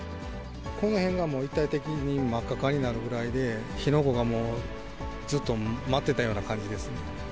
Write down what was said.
この辺が一帯的に真っ赤っかになるぐらいで、火の粉がもうずっと舞ってたような感じですね。